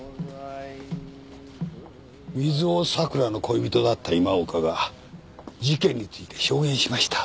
水尾桜の恋人だった今岡が事件について証言しました。